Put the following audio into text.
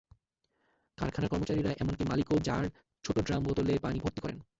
কারখানার কর্মচারীরা এমনকি মালিকও জার, ছোট ড্রাম বোতলে পানি ভর্তি করেন।